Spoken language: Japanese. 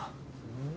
うん？